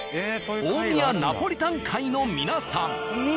大宮ナポリタン会の皆さん。